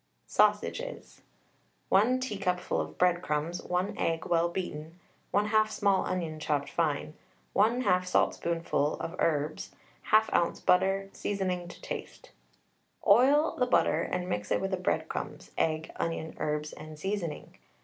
SAUSAGES. 1 teacupful of breadcrumbs, 1 egg well beaten, 1/2 small onion chopped fine, 1/2 saltspoonful of herbs, 1/2 oz. butter, seasoning to taste. Oil the butter and mix it with the breadcrumbs, egg, onion, herbs, and seasoning.